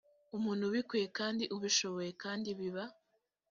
umuntu ubikwiye kandi ubishoboye kandi biba